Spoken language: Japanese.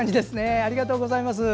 ありがとうございます。